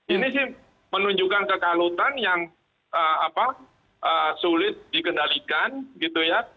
ini sih menunjukkan kekalutan yang sulit dikendalikan gitu ya